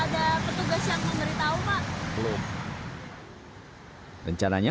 rencananya penerbit trotoar ini tidak bisa diperhatikan